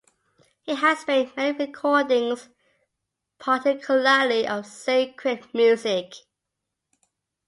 He has made many recordings, particularly of sacred music.